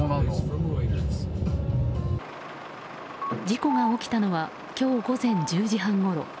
事故が起きたのは今日午前１０時半ごろ。